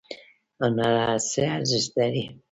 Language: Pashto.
هنر څه ارزښت لري؟